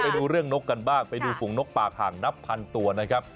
ไปดูเรื่องนกกันบ้างไปดูฝูงนกปากห่างนับพันตัวนะครับ